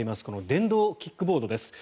電動キックボードです。